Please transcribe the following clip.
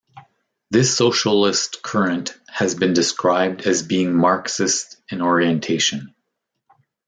This socialist current has been described as being Marxist in orientation.